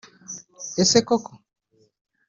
Ese koko